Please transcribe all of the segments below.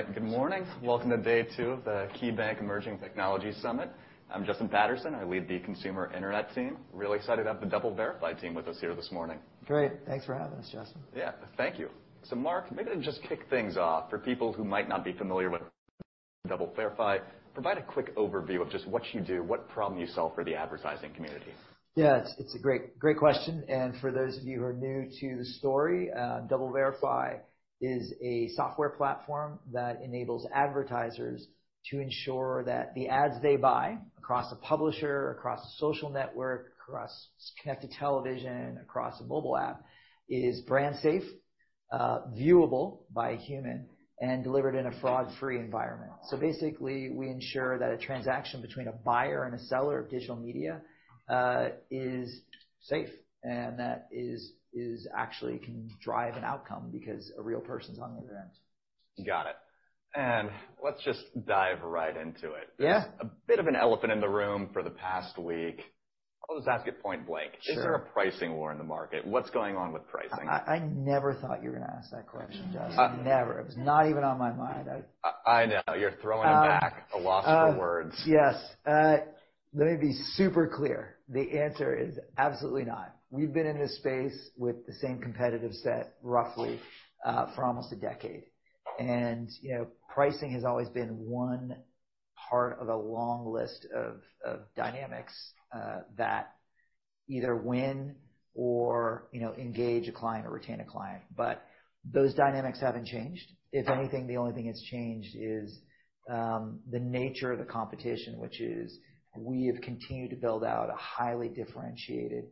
All right, good morning. Welcome to day two of the KeyBanc Emerging Technologies Summit. I'm Justin Patterson, I lead The Consumer Internet team. Really excited to have the DoubleVerify team with us here this morning. Great. Thanks for having us, Justin. Yeah, thank you. So Mark, maybe to just kick things off, for people who might not be familiar with DoubleVerify, provide a quick overview of just what you do, what problem you solve for the advertising community. Yeah, it's a great question. For those of you who are new to the story, DoubleVerify is a software platform that enables advertisers to ensure that the ads they buy across a publisher, across a social network, across connected television, across a mobile app, is brand safe, viewable by a human, and delivered in a fraud-free environment. So basically, we ensure that a transaction between a buyer and a seller of digital media is safe and that actually can drive an outcome because a real person's on the other end. Got it. Let's just dive right into it. There's a bit of an elephant in the room for the past week. I'll just ask it point blank. Is there a pricing war in the market? What's going on with pricing? I never thought you were going to ask that question, Justin. Never. It was not even on my mind. I know. You're throwing it back at a loss for words. Yes. Let me be super clear. The answer is absolutely not. We've been in this space with the same competitive set roughly for almost a decade. And pricing has always been one part of a long list of dynamics that either win or engage a client or retain a client. But those dynamics haven't changed. If anything, the only thing that's changed is the nature of the competition, which is we have continued to build out a highly differentiated,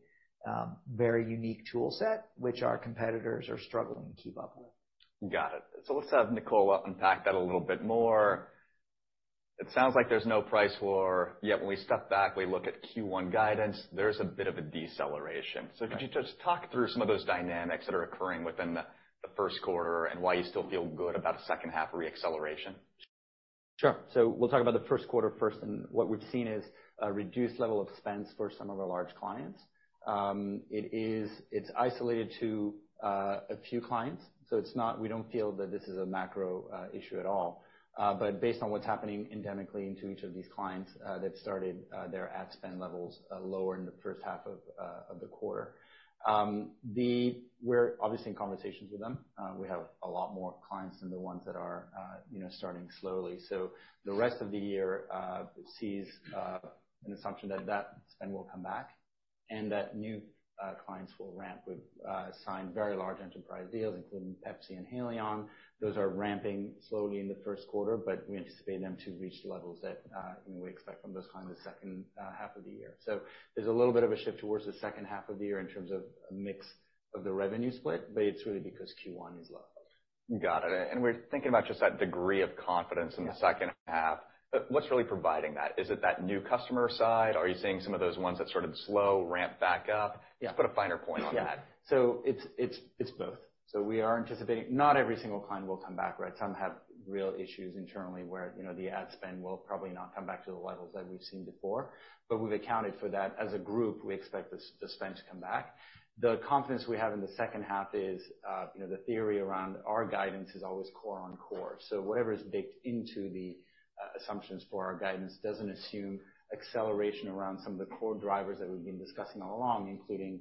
very unique tool set which our competitors are struggling to keep up with. Got it. So let's have Nicola unpack that a little bit more. It sounds like there's no price war, yet when we step back, we look at Q1 guidance, there's a bit of a deceleration. So could you just talk through some of those dynamics that are occurring within the first quarter and why you still feel good about a second-half reacceleration? Sure. So we'll talk about the first quarter first. What we've seen is a reduced level of spends for some of our large clients. It's isolated to a few clients, so we don't feel that this is a macro issue at all. But based on what's happening endemically into each of these clients, they've started their ad spend levels lower in the first half of the quarter. We're obviously in conversations with them. We have a lot more clients than the ones that are starting slowly. So the rest of the year sees an assumption that that spend will come back and that new clients will ramp. We've signed very large enterprise deals, including Pepsi and Haleon. Those are ramping slowly in the first quarter, but we anticipate them to reach the levels that we expect from those clients in the second half of the year. There's a little bit of a shift towards the second half of the year in terms of a mix of the revenue split, but it's really because Q1 is low. Got it. We're thinking about just that degree of confidence in the second half. What's really providing that? Is it that new customer side? Are you seeing some of those ones that sort of slow, ramp back up? Let's put a finer point on that. Yeah. So it's both. So we are anticipating not every single client will come back, right? Some have real issues internally where the ad spend will probably not come back to the levels that we've seen before. But we've accounted for that as a group. We expect the spend to come back. The confidence we have in the second half is the theory around our guidance is always core on core. So whatever is baked into the assumptions for our guidance doesn't assume acceleration around some of the core drivers that we've been discussing all along, including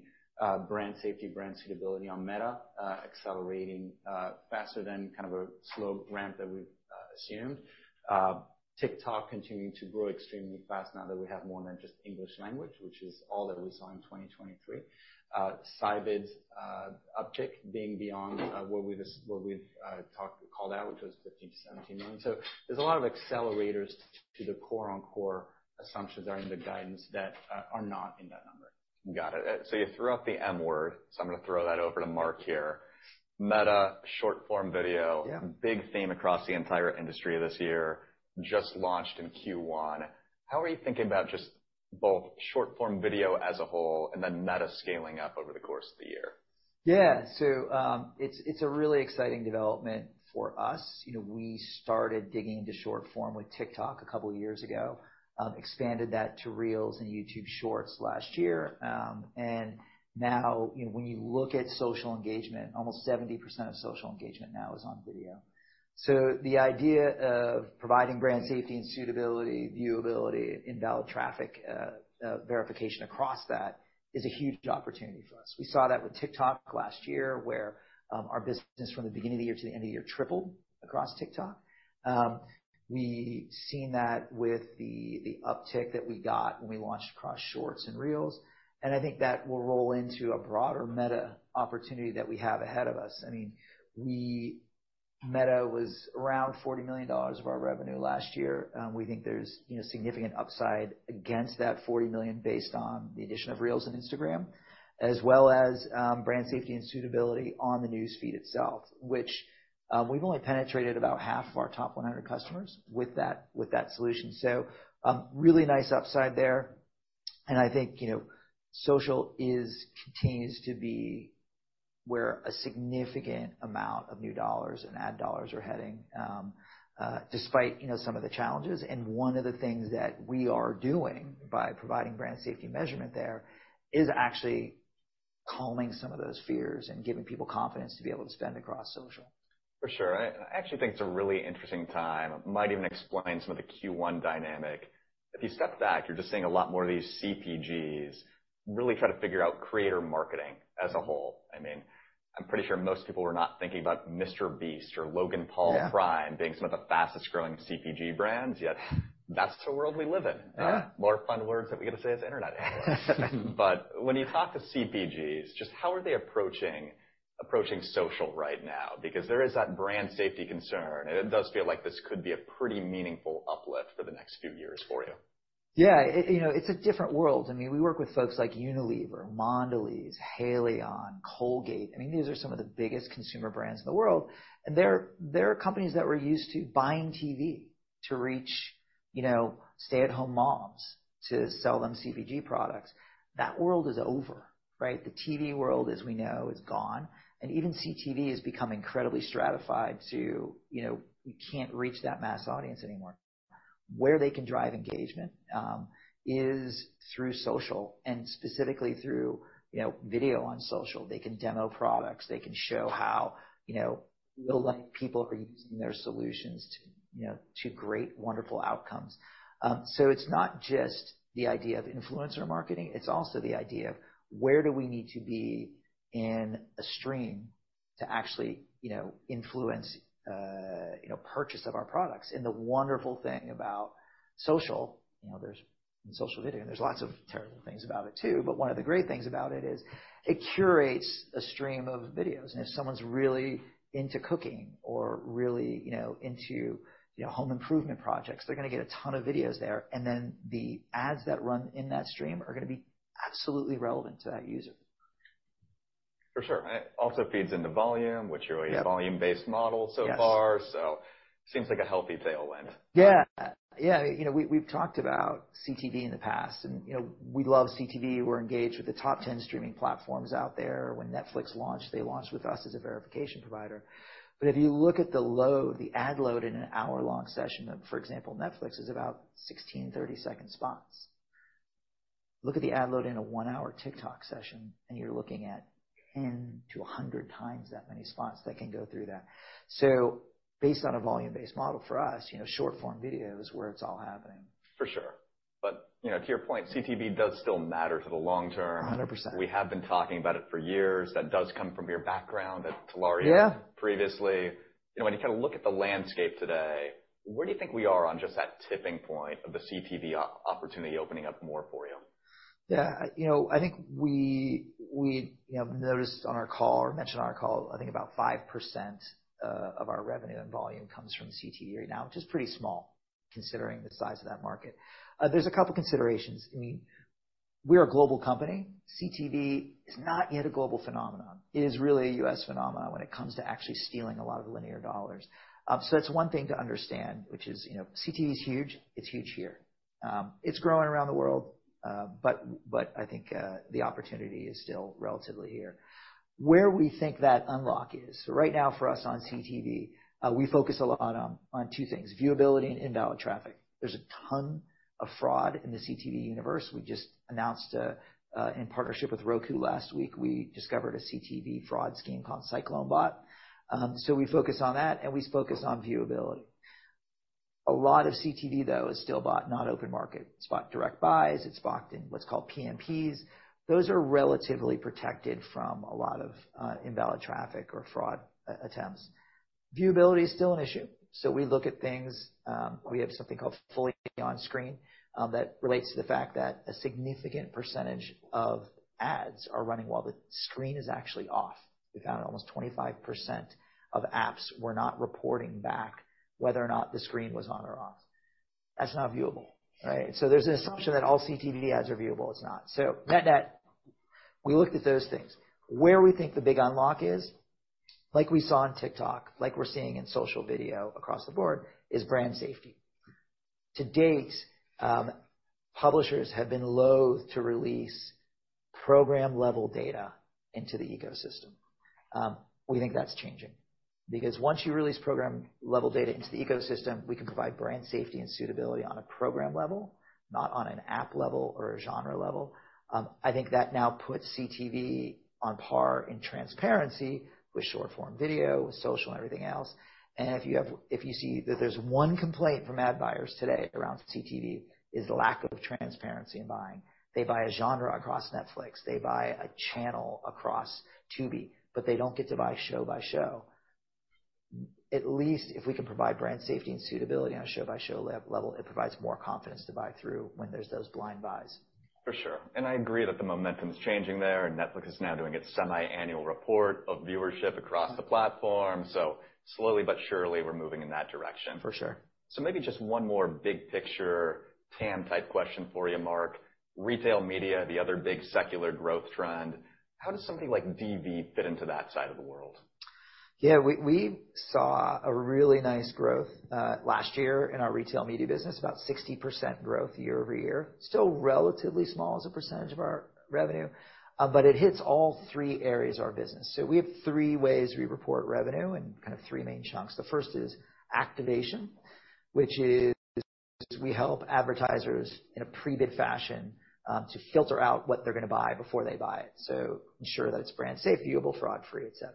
brand safety, brand suitability on Meta, accelerating faster than kind of a slow ramp that we've assumed. TikTok continuing to grow extremely fast now that we have more than just English language, which is all that we saw in 2023. Scibids uptick being beyond what we've called out, which was $15 million-$17 million. So there's a lot of accelerators to the core on core assumptions that are in the guidance that are not in that number. Got it. So you threw out the M word, so I'm going to throw that over to Mark here. Meta, short-form video, big theme across the entire industry this year, just launched in Q1. How are you thinking about just both short-form video as a whole and then Meta scaling up over the course of the year? Yeah. So it's a really exciting development for us. We started digging into short-form with TikTok a couple of years ago, expanded that to Reels and YouTube Shorts last year. And now when you look at social engagement, almost 70% of social engagement now is on video. So the idea of providing brand safety and suitability, viewability, invalid traffic verification across that is a huge opportunity for us. We saw that with TikTok last year where our business from the beginning of the year to the end of the year tripled across TikTok. We've seen that with the uptick that we got when we launched across Shorts and Reels. And I think that will roll into a broader Meta opportunity that we have ahead of us. I mean, Meta was around $40 million of our revenue last year. We think there's significant upside against that $40 million based on the addition of Reels and Instagram, as well as brand safety and suitability on the news feed itself, which we've only penetrated about half of our top 100 customers with that solution. So really nice upside there. And I think social continues to be where a significant amount of new dollars and ad dollars are heading despite some of the challenges. And one of the things that we are doing by providing brand safety measurement there is actually calming some of those fears and giving people confidence to be able to spend across social. For sure. I actually think it's a really interesting time. It might even explain some of the Q1 dynamic. If you step back, you're just seeing a lot more of these CPGs really try to figure out creator marketing as a whole. I mean, I'm pretty sure most people were not thinking about MrBeast or Logan Paul PRIME being some of the fastest-growing CPG brands, yet that's the world we live in. More fun words that we get to say as internet analysts. But when you talk to CPGs, just how are they approaching social right now? Because there is that brand safety concern, and it does feel like this could be a pretty meaningful uplift for the next few years for you. Yeah. It's a different world. I mean, we work with folks like Unilever, Mondelēz, Haleon, Colgate. I mean, these are some of the biggest consumer brands in the world. And they're companies that were used to buying TV to reach stay-at-home moms to sell them CPG products. That world is over, right? The TV world, as we know, is gone. And even CTV is becoming incredibly stratified to we can't reach that mass audience anymore. Where they can drive engagement is through social and specifically through video on social. They can demo products. They can show how real-life people are using their solutions to great, wonderful outcomes. So it's not just the idea of influencer marketing. It's also the idea of where do we need to be in a stream to actually influence purchase of our products. And the wonderful thing about social, there's social video, and there's lots of terrible things about it too. But one of the great things about it is it curates a stream of videos. And if someone's really into cooking or really into home improvement projects, they're going to get a ton of videos there. And then the ads that run in that stream are going to be absolutely relevant to that user. For sure. It also feeds into volume, which you're a volume-based model so far, so it seems like a healthy tailwind. Yeah. Yeah. We've talked about CTV in the past, and we love CTV. We're engaged with the top 10 streaming platforms out there. When Netflix launched, they launched with us as a verification provider. But if you look at the load, the ad load in an hour-long session of, for example, Netflix is about 16 30-second spots. Look at the ad load in a one-hour TikTok session, and you're looking at 10-100 times that many spots that can go through that. So based on a volume-based model for us, short-form video is where it's all happening. For sure. But to your point, CTV does still matter to the long term. 100%. We have been talking about it for years. That does come from your background at Telaria previously. When you kind of look at the landscape today, where do you think we are on just that tipping point of the CTV opportunity opening up more for you? Yeah. I think we noticed on our call or mentioned on our call, I think about 5% of our revenue and volume comes from CTV right now, which is pretty small considering the size of that market. There's a couple of considerations. I mean, we're a global company. CTV is not yet a global phenomenon. It is really a U.S. phenomenon when it comes to actually stealing a lot of linear dollars. So that's one thing to understand, which is CTV is huge. It's huge here. It's growing around the world, but I think the opportunity is still relatively here. Where we think that unlock is so right now for us on CTV, we focus a lot on two things: viewability and invalid traffic. There's a ton of fraud in the CTV universe. We just announced in partnership with Roku last week, we discovered a CTV fraud scheme called CycloneBot. So we focus on that, and we focus on viewability. A lot of CTV, though, is still bought, not open market. It's bought direct buys. It's bought in what's called PMPs. Those are relatively protected from a lot of invalid traffic or fraud attempts. Viewability is still an issue. So we look at things. We have something called Fully On-Screen that relates to the fact that a significant percentage of ads are running while the screen is actually off. We found almost 25% of apps were not reporting back whether or not the screen was on or off. That's not viewable, right? So there's an assumption that all CTV ads are viewable. It's not. So MetNet, we looked at those things. Where we think the big unlock is, like we saw on TikTok, like we're seeing in social video across the board, is brand safety. To date, publishers have been loathed to release program-level data into the ecosystem. We think that's changing because once you release program-level data into the ecosystem, we can provide brand safety and suitability on a program level, not on an app level or a genre level. I think that now puts CTV on par in transparency with short-form video, with social, and everything else. And if you see that there's one complaint from ad buyers today around CTV is lack of transparency in buying. They buy a genre across Netflix. They buy a channel across Tubi, but they don't get to buy show by show. At least if we can provide brand safety and suitability on a show-by-show level, it provides more confidence to buy through when there's those blind buys. For sure. I agree that the momentum is changing there, and Netflix is now doing its semi-annual report of viewership across the platform. Slowly but surely, we're moving in that direction. For sure. So maybe just one more big picture TAM type question for you, Mark. Retail media, the other big secular growth trend, how does something like DV fit into that side of the world? Yeah. We saw a really nice growth last year in our retail media business, about 60% growth year-over-year. Still relatively small as a percentage of our revenue, but it hits all three areas of our business. We have three ways we report revenue and kind of three main chunks. The first is activation, which is we help advertisers in a pre-bid fashion to filter out what they're going to buy before they buy it, so ensure that it's brand safe, viewable, fraud-free, etc.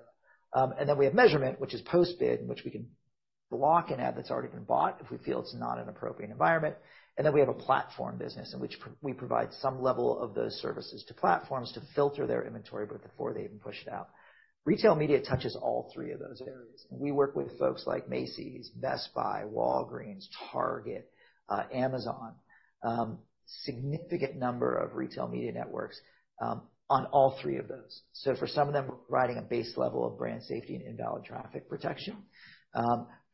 And then we have measurement, which is post-bid, in which we can block an ad that's already been bought if we feel it's not an appropriate environment. And then we have a platform business in which we provide some level of those services to platforms to filter their inventory before they even push it out. Retail media touches all three of those areas. We work with folks like Macy's, Best Buy, Walgreens, Target, Amazon, a significant number of retail media networks on all three of those. So for some of them, we're providing a base level of brand safety and invalid traffic protection.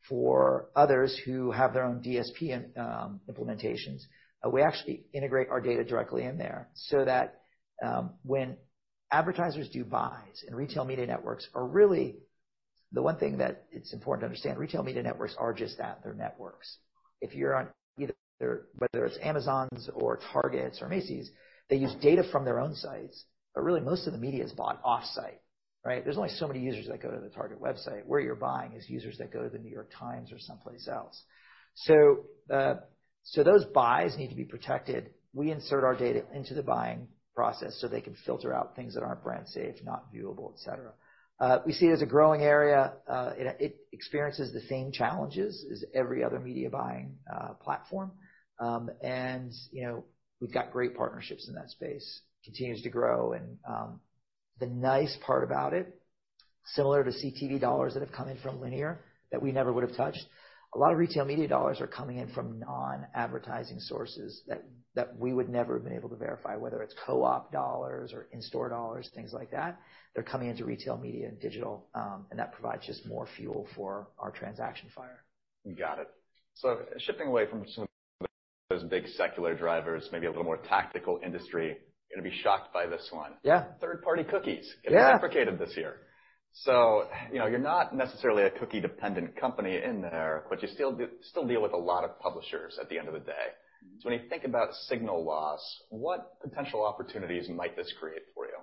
For others who have their own DSP implementations, we actually integrate our data directly in there so that when advertisers do buys, and retail media networks are really the one thing that it's important to understand, retail media networks are just that. They're networks. Whether it's Amazon's or Target's or Macy's, they use data from their own sites, but really most of the media is bought off-site, right? There's only so many users that go to the Target website. Where you're buying is users that go to the New York Times or someplace else. So those buys need to be protected. We insert our data into the buying process so they can filter out things that aren't brand safe, not viewable, etc. We see it as a growing area. It experiences the same challenges as every other media buying platform. We've got great partnerships in that space. It continues to grow. The nice part about it, similar to CTV dollars that have come in from linear that we never would have touched, a lot of retail media dollars are coming in from non-advertising sources that we would never have been able to verify, whether it's co-op dollars or in-store dollars, things like that. They're coming into retail media and digital, and that provides just more fuel for our transaction fire. Got it. So shifting away from some of those big secular drivers, maybe a little more tactical industry, you're going to be shocked by this one. Third-party cookies get replicated this year. So you're not necessarily a cookie-dependent company in there, but you still deal with a lot of publishers at the end of the day. So when you think about signal loss, what potential opportunities might this create for you?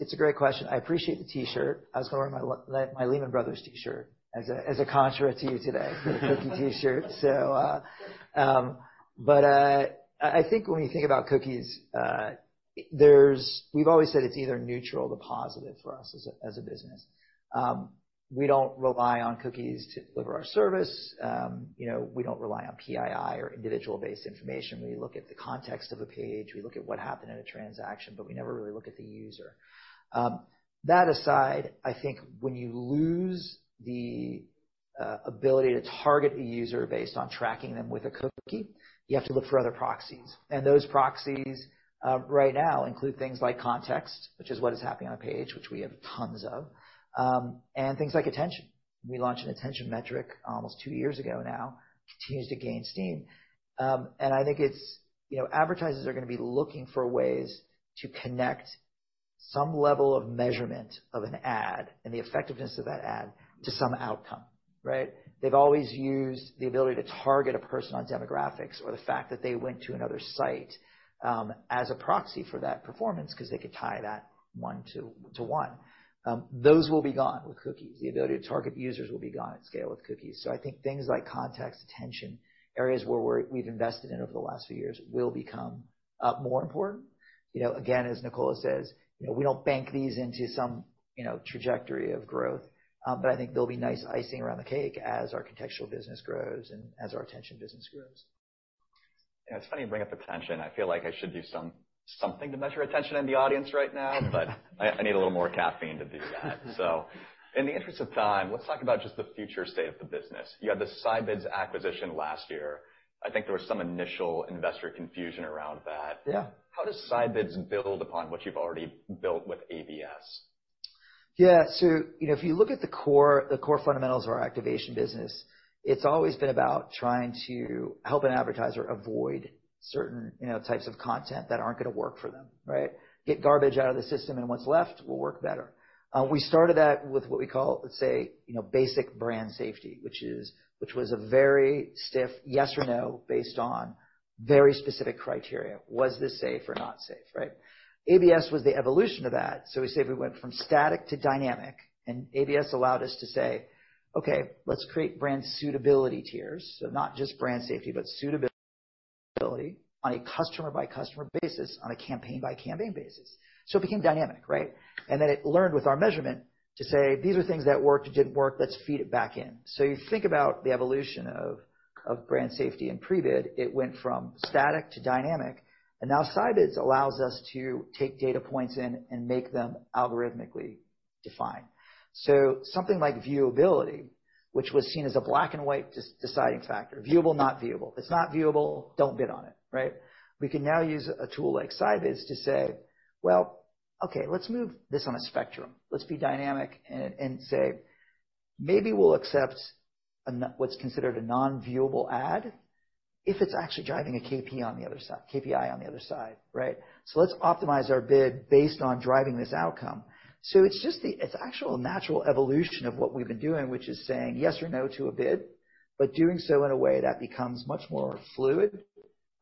It's a great question. I appreciate the T-shirt. I was going to wear my Lehman Brothers T-shirt as a contra to you today, the cookie T-shirt, so. But I think when you think about cookies, we've always said it's either neutral to positive for us as a business. We don't rely on cookies to deliver our service. We don't rely on PII or individual-based information. We look at the context of a page. We look at what happened in a transaction, but we never really look at the user. That aside, I think when you lose the ability to target a user based on tracking them with a cookie, you have to look for other proxies. And those proxies right now include things like context, which is what is happening on a page, which we have tons of, and things like attention. We launched an attention metric almost two years ago now. Continues to gain steam. I think advertisers are going to be looking for ways to connect some level of measurement of an ad and the effectiveness of that ad to some outcome, right? They've always used the ability to target a person on demographics or the fact that they went to another site as a proxy for that performance because they could tie that 1-to-1. Those will be gone with cookies. The ability to target users will be gone at scale with cookies. I think things like context, attention, areas where we've invested in over the last few years will become more important. Again, as Nicola says, we don't bank these into some trajectory of growth, but I think there'll be nice icing around the cake as our contextual business grows and as our attention business grows. Yeah. It's funny you bring up attention. I feel like I should do something to measure attention in the audience right now, but I need a little more caffeine to do that. So in the interest of time, let's talk about just the future state of the business. You had the Scibids acquisition last year. I think there was some initial investor confusion around that. How does Scibids build upon what you've already built with ABS? Yeah. So if you look at the core fundamentals of our activation business, it's always been about trying to help an advertiser avoid certain types of content that aren't going to work for them, right? Get garbage out of the system, and what's left will work better. We started that with what we call, let's say, basic brand safety, which was a very stiff yes or no based on very specific criteria. Was this safe or not safe, right? ABS was the evolution of that. So we said we went from static to dynamic, and ABS allowed us to say, "Okay, let's create brand suitability tiers," so not just brand safety but suitability on a customer-by-customer basis, on a campaign-by-campaign basis. So it became dynamic, right? And then it learned with our measurement to say, "These are things that worked. It didn't work. Let's feed it back in." So you think about the evolution of brand safety and pre-bid. It went from static to dynamic, and now Scibids allows us to take data points in and make them algorithmically defined. So something like viewability, which was seen as a black-and-white deciding factor, viewable, not viewable. If it's not viewable, don't bid on it, right? We can now use a tool like Scibids to say, "Well, okay, let's move this on a spectrum. Let's be dynamic and say maybe we'll accept what's considered a non-viewable ad if it's actually driving a KPI on the other side," right? So let's optimize our bid based on driving this outcome. So it's just the actual natural evolution of what we've been doing, which is saying yes or no to a bid, but doing so in a way that becomes much more fluid,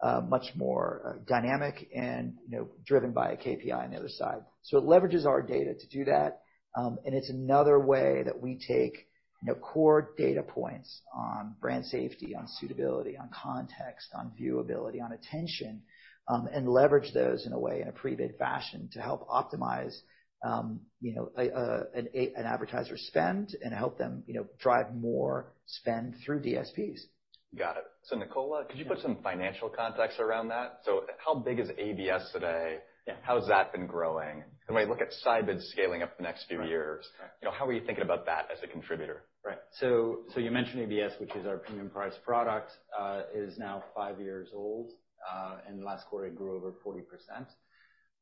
much more dynamic, and driven by a KPI on the other side. So it leverages our data to do that, and it's another way that we take core data points on brand safety, on suitability, on context, on viewability, on attention, and leverage those in a way, in a pre-bid fashion, to help optimize an advertiser's spend and help them drive more spend through DSPs. Got it. So Nicola, could you put some financial context around that? So how big is ABS today? How has that been growing? And when you look at Scibids scaling up the next few years, how are you thinking about that as a contributor? Right. So you mentioned ABS, which is our premium-priced product. It is now five years old, and last quarter, it grew over 40%.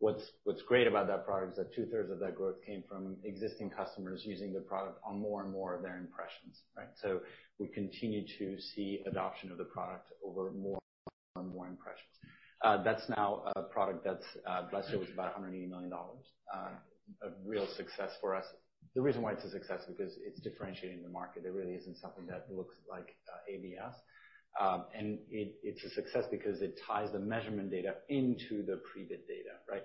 What's great about that product is that two-thirds of that growth came from existing customers using the product on more and more of their impressions, right? So we continue to see adoption of the product over more and more impressions. That's now a product that's last year, it was about $180 million, a real success for us. The reason why it's a success is because it's differentiating the market. It really isn't something that looks like ABS. And it's a success because it ties the measurement data into the pre-bid data, right,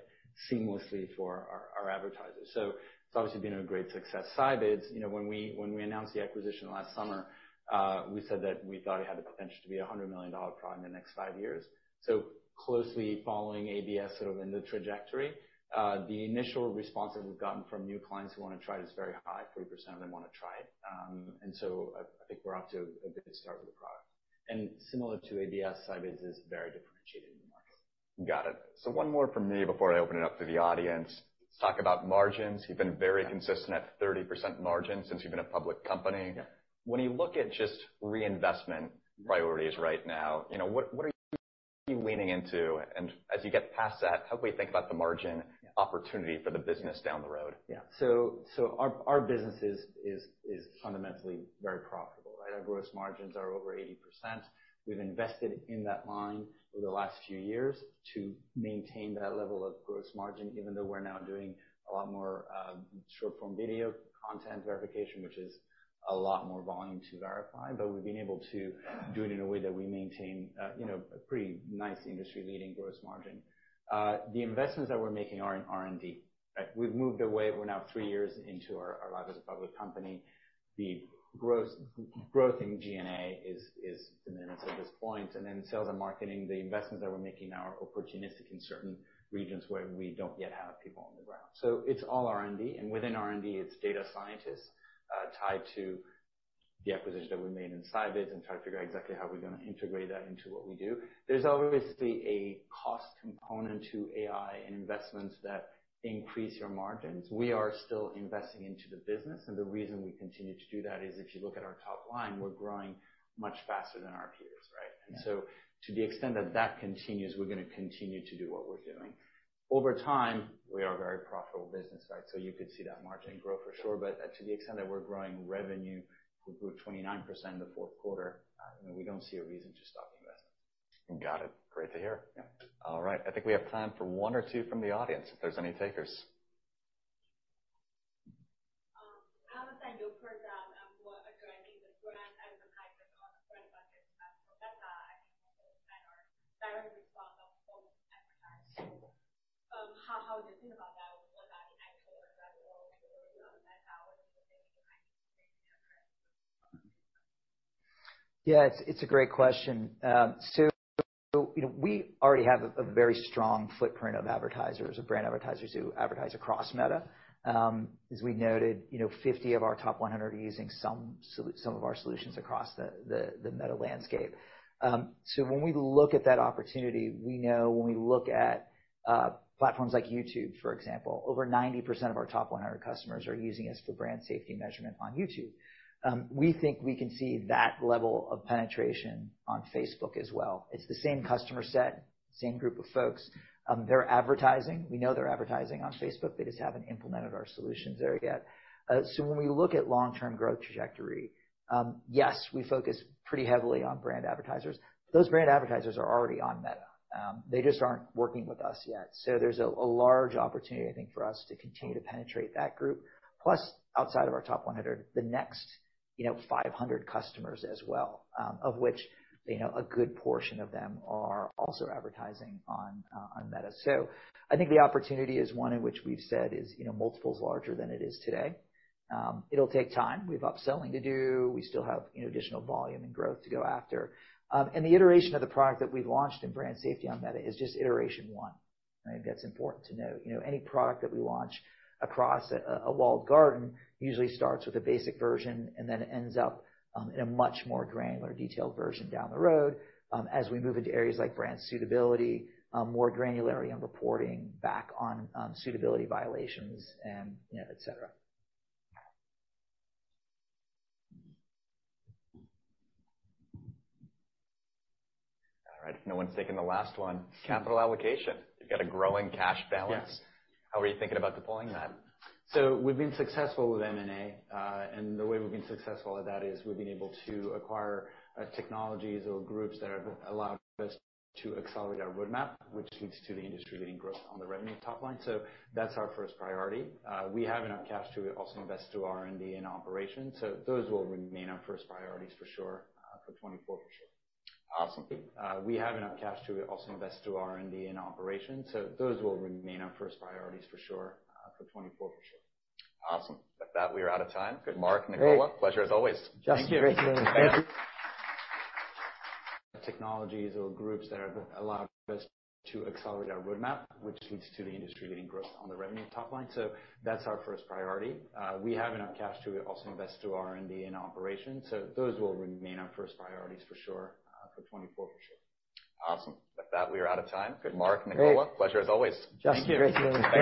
seamlessly for our advertisers. So it's obviously been a great success. Scibids, when we announced the acquisition last summer, we said that we thought it had the potential to be a $100 million product in the next five years. So closely following ABS sort of in the trajectory, the initial response that we've gotten from new clients who want to try it is very high. 40% of them want to try it. And so I think we're off to a good start with the product. And similar to ABS, Scibids is very differentiating the market. Got it. One more for me before I open it up to the audience. Let's talk about margins. You've been very consistent at 30% margin since you've been a public company. When you look at just reinvestment priorities right now, what are you leaning into? And as you get past that, how can we think about the margin opportunity for the business down the road? Yeah. So our business is fundamentally very profitable, right? Our gross margins are over 80%. We've invested in that line over the last few years to maintain that level of gross margin, even though we're now doing a lot more short-form video content verification, which is a lot more volume to verify. But we've been able to do it in a way that we maintain a pretty nice industry-leading gross margin. The investments that we're making are in R&D, right? We've moved away. We're now three years into our life as a public company. The growth in G&A is diminished at this point. And then sales and marketing, the investments that we're making now are opportunistic in certain regions where we don't yet have people on the ground. So it's all R&D. And within R&D, it's data scientists tied to the acquisition that we made in Scibids and try to figure out exactly how we're going to integrate that into what we do. There's obviously a cost component to AI and investments that increase your margins. We are still investing into the business. And the reason we continue to do that is if you look at our top line, we're growing much faster than our peers, right? And so to the extent that that continues, we're going to continue to do what we're doing. Over time, we are a very profitable business, right? So you could see that margin grow for sure. But to the extent that we're growing revenue, we grew 29% in the fourth quarter. We don't see a reason to stop investment. Got it. Great to hear. All right. I think we have time for one or two from the audience if there's any takers. How has your program and what are driving the brand advertisers on the front bucket of Meta and then our direct response of almost advertisers? How do you think about that? What about the actual advertisers on Meta? What do you think you can make a difference with this? Yeah. It's a great question. So we already have a very strong footprint of brand advertisers who advertise across Meta. As we noted, 50 of our top 100 are using some of our solutions across the Meta landscape. So when we look at that opportunity, we know when we look at platforms like YouTube, for example, over 90% of our top 100 customers are using us for brand safety measurement on YouTube. We think we can see that level of penetration on Facebook as well. It's the same customer set, same group of folks. They're advertising. We know they're advertising on Facebook. They just haven't implemented our solutions there yet. So when we look at long-term growth trajectory, yes, we focus pretty heavily on brand advertisers. Those brand advertisers are already on Meta. They just aren't working with us yet. So there's a large opportunity, I think, for us to continue to penetrate that group. Plus, outside of our top 100, the next 500 customers as well, of which a good portion of them are also advertising on Meta. So I think the opportunity is one in which we've said is multiple is larger than it is today. It'll take time. We have upselling to do. We still have additional volume and growth to go after. And the iteration of the product that we've launched in brand safety on Meta is just iteration one, right? That's important to note. Any product that we launch across a walled garden usually starts with a basic version and then ends up in a much more granular, detailed version down the road as we move into areas like brand suitability, more granularity on reporting back on suitability violations, etc. All right. No one's taking the last one. Capital allocation. You've got a growing cash balance. 2024 for sure. Awesome. With that, we are out of time. Mark, Nicola, pleasure as always. Thank you. Thank you.